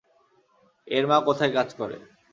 এর মা কোথায় কাজ করে?